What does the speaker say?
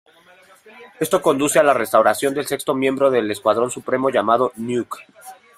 Esto conduce a la restauración del sexto miembro del Escuadrón Supremo llamado Nuke.